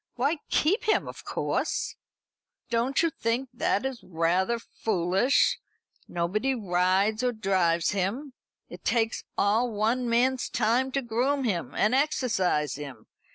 Why, keep him, of course!" "Don't you think that is rather foolish? Nobody rides or drives him. It takes all one man's time to groom him and exercise him.